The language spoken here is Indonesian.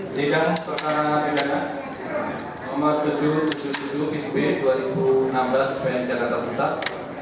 sidang perkara pidana nomor tujuh ratus tujuh puluh tujuh b dua ribu enam belas pn jakarta pusat